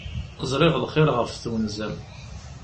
Ẓriɣ lxir ɣef twenza-m.